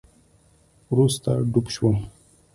وروسته ډوب شوم